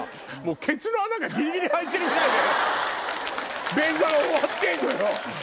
ケツの穴がギリギリ入ってるぐらいで便座が終わってんのよ。